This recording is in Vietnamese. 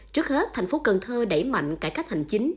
trước hết thành phố cần thơ đẩy mạnh cải cách hành chính